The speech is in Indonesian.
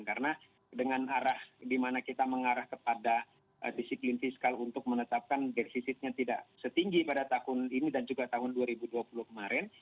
karena dengan arah dimana kita mengarah kepada disiplin fiskal untuk menetapkan defisitnya tidak setinggi pada tahun ini dan juga tahun dua ribu dua puluh kemarin